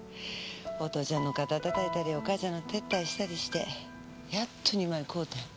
お父ちゃんの肩たたいたりお母ちゃんの手伝いしたりしてやっと２枚買うたん。